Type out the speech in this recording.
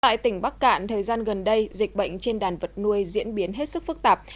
tại tỉnh bắc cạn thời gian gần đây dịch bệnh trên đàn vật nuôi diễn biến hết sức phức tạp